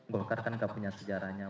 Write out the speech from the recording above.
golkar kan gak punya sejarahnya